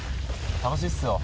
楽しいっすよ。